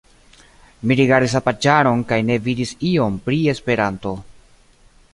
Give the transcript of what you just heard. Mi rigardis la paĝaron kaj ne vidis ion pri Esperanto.